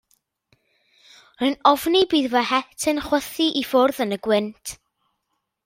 Rwy'n ofni bydd fy het yn chwythu i ffwrdd yn y gwynt.